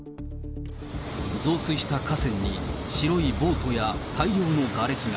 増水した河川に白いボートや大量のがれきが。